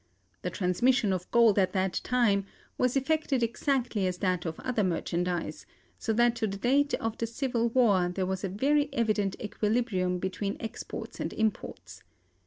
The transmission of gold at that time was effected exactly as that of other merchandise; so that to the date of the civil war there was a very evident equilibrium between exports and imports.